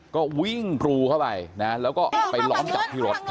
ก็วิ่งกรูเข้าไปนะแล้วก็ไปล้อมจับที่รถ